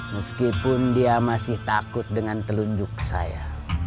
meskipun dia masih takut dengan telunjuk saya